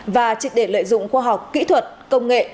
và triệt để lợi dụng khoa học kỹ thuật công nghệ